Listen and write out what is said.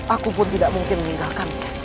aku pun tidak mungkin meninggalkan